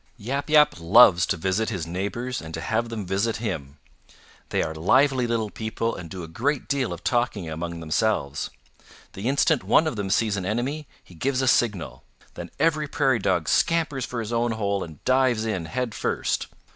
"Yap Yap loves to visit his neighbors and to have them visit him. They are lively little people and do a great deal of talking among themselves. The instant one of them sees an enemy he gives a signal. Then every Prairie Dog scampers for his own hole and dives in head first.